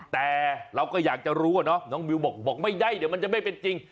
แต่เราก็อยากจะรู้อะเนาะน้องมิวบอกไม่ได้เดี๋ยวมันจะไม่เป็นจริง